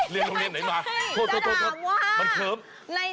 ศุกร์เตาอาทิตย์จานดำคาร